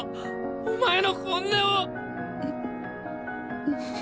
お前の本音を！